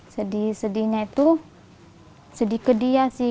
sedih sedihnya itu sedih ke dia sih